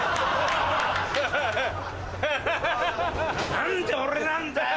何で俺なんだよ